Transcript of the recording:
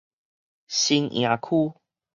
新營區